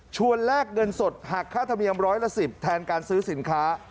แลกเงินสดหักค่าธรรมเนียมร้อยละ๑๐แทนการซื้อสินค้า